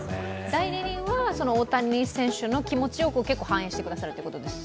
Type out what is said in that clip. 代理人は大谷選手の気持ちを結構反映してくださるんですか。